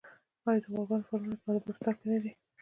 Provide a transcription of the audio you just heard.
آیا د غواګانو فارمونه په البرټا کې نه دي؟